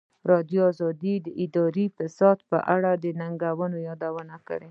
ازادي راډیو د اداري فساد په اړه د ننګونو یادونه کړې.